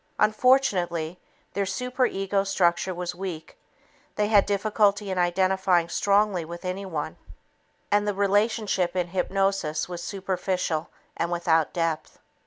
Unfortunately, their super ego structure was weak, they had difficulty in identifying strongly with anyone, and the relationship in hypnosis was superficial and without depth.